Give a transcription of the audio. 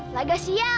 pasti gak kek gini kan